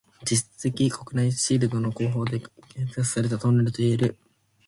実質的に日本国内初のシールド工法で建設されたトンネルといえる。